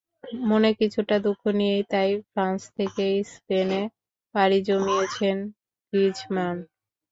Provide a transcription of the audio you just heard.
মনে কিছুটা দুঃখ নিয়েই তাই ফ্রান্স থেকে স্পেনে পাড়ি জমিয়েছেন গ্রিজমান।